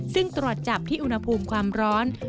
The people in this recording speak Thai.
ซึ่งตรวจจับที่อุณหภูมิความร้อน